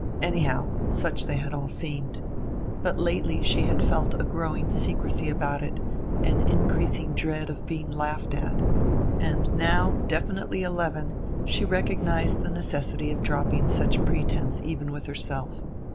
Anyhow, such they had all seemed. But lately she had felt a growing secrecy about it, an increasing dread of being laughed at; and now, definitely eleven, she recognized the necessity of dropping such pretense even with herself.